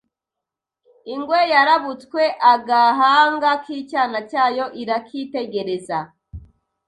ingwe yarabutswe agahanga k'icyana cyayo irakitegereza